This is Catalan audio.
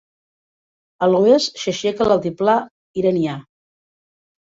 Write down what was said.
A l'oest s'aixeca l'Altiplà Iranià.